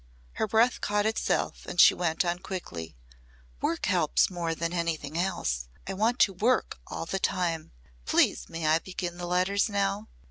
Her breath caught itself and she went on quickly, "Work helps more than anything else. I want to work all the time. Please may I begin the letters now?"